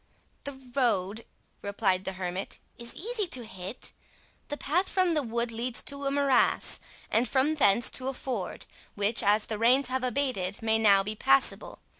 "The road," replied the hermit, "is easy to hit. The path from the wood leads to a morass, and from thence to a ford, which, as the rains have abated, may now be passable.